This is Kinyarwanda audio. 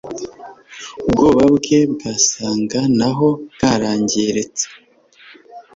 Ubwoba bwe bwasaga naho bwarangiritse